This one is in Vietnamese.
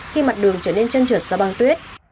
khi mặt đường trở nên chân trượt do băng tuyết